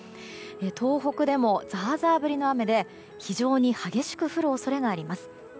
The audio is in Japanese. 東北でも、ザーザー降りの雨で非常に激しく降る恐れがあります。